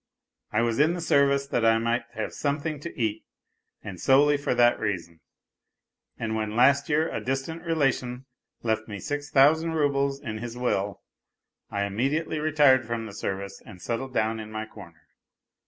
I was in the service that I might have something to eat (and solely for that reason), and when last year a distant relation left me six thousand roubles in his will I immediately retired from the service and settled down in my corner.